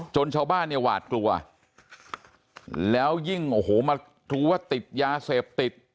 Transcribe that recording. ชาวบ้านเนี่ยหวาดกลัวแล้วยิ่งโอ้โหมารู้ว่าติดยาเสพติด